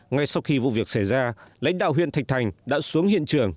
ngay sau khi vụ việc xảy ra lãnh đạo huyện thạch thành đã xuống hiện trường